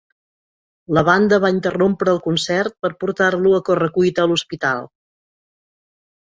La banda va interrompre el concert per portar-lo a corre cuita a l'hospital.